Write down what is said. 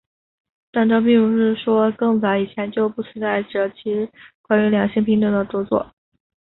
但这并不是说更早以前就不存在着其他关于两性平等的着作。